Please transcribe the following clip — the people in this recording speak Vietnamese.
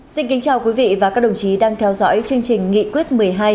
xin kính chào quý vị và các đồng chí đang theo dõi chương trình nghị quyết một mươi hai